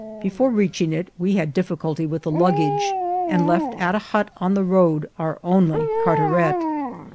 Before reaching it we had difficulty with the luggage, and left at a hut on the road our only cartaret.